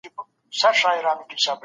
له تيارو څخه رڼا ته راووزئ.